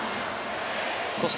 そして